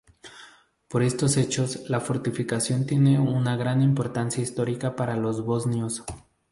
Por estos hechos, la fortificación tiene una gran importancia histórica para los bosnios.